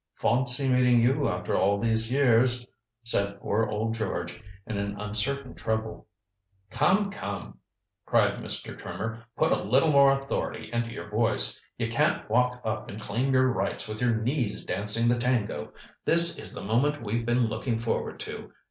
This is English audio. "Fawncy meeting you after all these years," said poor old George in an uncertain treble. "Come, come," cried Mr. Trimmer, "put a little more authority into your voice. You can't walk up and claim your rights with your knees dancing the tango. This is the moment we've been looking forward to.